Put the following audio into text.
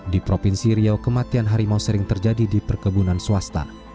di provinsi riau kematian harimau sering terjadi di perkebunan swasta